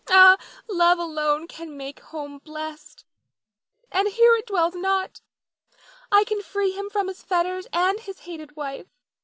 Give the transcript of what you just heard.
Ah, love alone can make home blest, and here it dwells not. I can free him from his fetters and his hated wife.